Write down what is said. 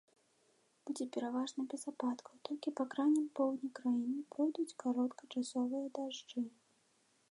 Будзе пераважна без ападкаў, толькі па крайнім поўдні краіны пройдуць кароткачасовыя дажджы.